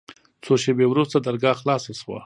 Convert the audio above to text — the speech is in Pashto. څو شېبې وروسته درګاه خلاصه سوه.